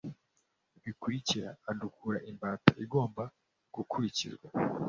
bikurikira, andukura imbata igomba gukurikizwa